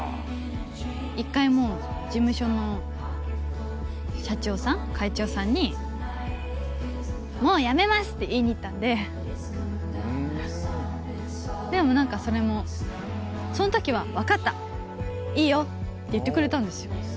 １回もう、事務所の社長さん、会長さんに、もう辞めますって言いに行ったんで、でもなんかそれも、そのときは、分かった、いいよって言ってくれたんですよ。